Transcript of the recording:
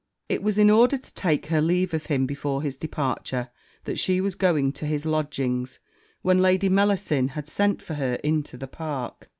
It was in order to take her leave of him before his departure, that she was going to his lodgings when Lady Mellasin had sent for her into the Park.